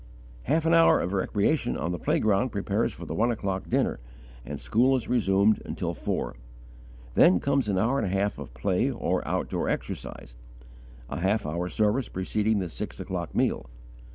Half an hour of recreation on the playground prepares for the one o'clock dinner, and school is resumed, until four; then comes an hour and a half of play or outdoor exercise, a half hour service preceding the six o'clock meal.